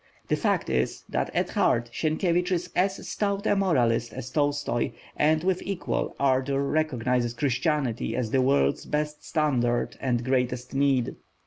The fact is, that at heart Sienkiewicz is as stout a moralist as Tolstoi, and with equal ardour recognises Christianity as the world's best standard and greatest need.